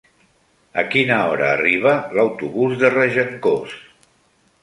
A quina hora arriba l'autobús de Regencós?